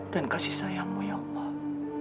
dan kasih sayangmu ya allah